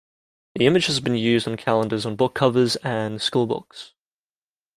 The image has been used on calendars, on book covers and school books.